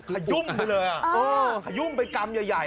ขยุ่มไปเลยขยุ่มไปกำใหญ่